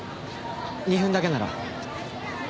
２分だけなら。